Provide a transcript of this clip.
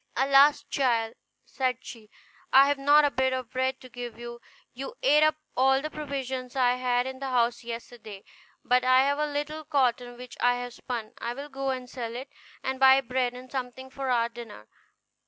"Alas! child," said she, "I have not a bit of bread to give you: you ate up all the provisions I had in the house yesterday; but I have a little cotton, which I have spun; I will go and sell it, and buy bread and something for our dinner."